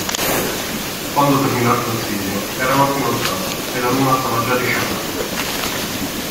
Quando terminò il consiglio, era notte inoltrata, e la Luna stava già discendendo.